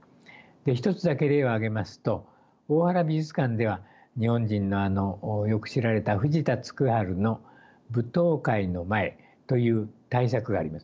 一つだけ例を挙げますと大原美術館では日本人のよく知られた藤田嗣治の「舞踏会の前」という大作があります。